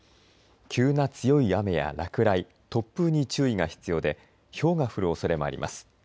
急な強い雨や落雷、突風に注意が必要でひょうが降るおそれもあります。